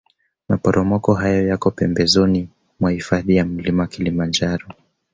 maporomoko hayo yako pembezoni mwa hifadhi ya mlima Kilimanjaro